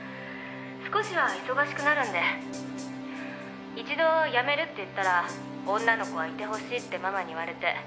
少しは忙しくなるんで」「一度辞めるって言ったら女の子はいてほしいってママに言われて」